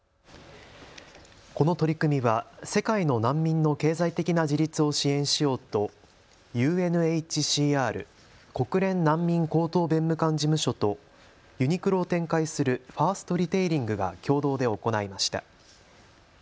この取り組みは世界の難民の経済的な自立を支援しようとＵＮＨＣＲ・国連難民高等弁務官事務所とユニクロを展開するファーストリテイリングが共同で行いました。